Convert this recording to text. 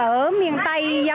ở miền tây là